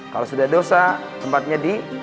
kalau sudah dosa tempatnya di